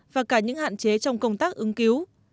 và cả những hạn chế trong công tác ứng cứu